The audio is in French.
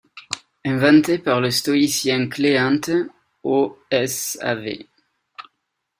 Inventé par le stoïcien Cléanthe au s. av.